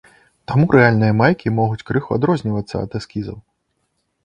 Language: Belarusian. Таму рэальныя майкі могуць крыху адрознівацца ад эскізаў.